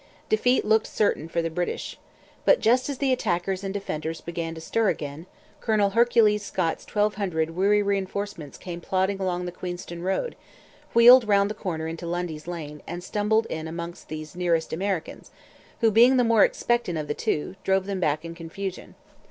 Defeat looked certain for the British. But, just as the attackers and defenders began to stir again, Colonel Hercules Scott's twelve hundred weary reinforcements came plodding along the Queenston road, wheeled round the corner into Lundy's Lane, and stumbled in among these nearest Americans, who, being the more expectant of the two, drove them back in confusion.